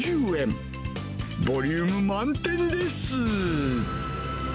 ボリューム満点です。